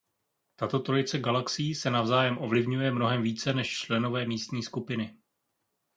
Tato trojice galaxií se navzájem ovlivňuje mnohem více než členové Místní skupiny.